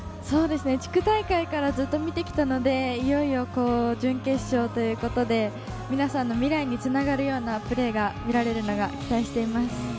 地区大会からずっと見てきたので、いよいよ準決勝ということで、皆さんの未来に繋がるようなプレーが見られるのを期待しています。